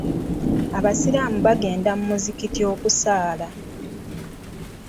Abasiraamu bagenda mu muzikiti okusaala.